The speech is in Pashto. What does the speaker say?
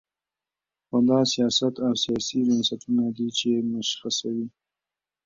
خو دا سیاست او سیاسي بنسټونه دي چې مشخصوي.